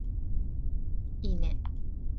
派手な表紙の雑誌